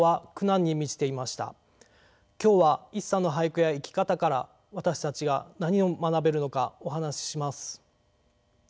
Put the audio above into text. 今日は一茶の俳句や生き方から私たちは何を学べるのかお話しします。